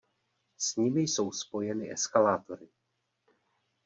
S nimi jsou spojeny eskalátory.